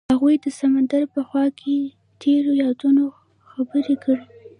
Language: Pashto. هغوی د سمندر په خوا کې تیرو یادونو خبرې کړې.